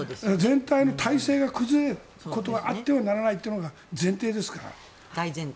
全体の体制が崩れることはあってはならないというのが大前提。